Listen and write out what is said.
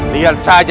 lihat saja jaran guya